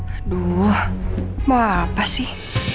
aduh mau apa sih